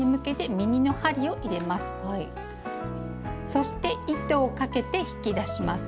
そして糸をかけて引き出します。